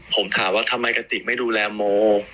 ผมถามว่าทำไมกติกไม่ดูแลโม